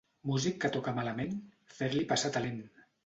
Músic que toca malament, fer-li passar talent.